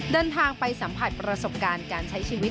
เดินทางไปสัมผัสประสบการณ์การใช้ชีวิต